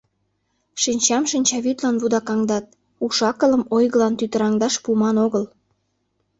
Шинчам шинчавӱдлан вудакаҥдат, уш-акылым ойгылан тӱтыраҥдаш пуыман огыл.